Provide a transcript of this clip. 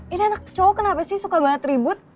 ini anak cowok kenapa sih suka banget ribut